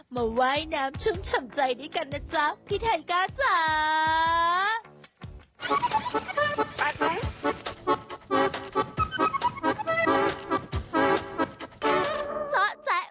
ว่ายน้ำชุ่มฉ่ำใจด้วยกันนะจ๊ะพี่ไทก้าจ๋า